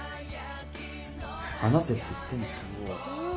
離せって言ってんだよ。